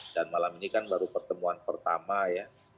dan malam ini kan baru pertemuan pertama ya